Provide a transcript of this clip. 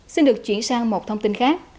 xin được chuyển sang một thông tin khác